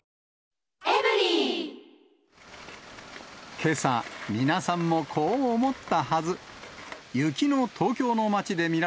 けさ、皆さんもこう思ったはず。